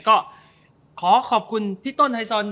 ก็ขอขอบคุณต้นไฮท์ซอน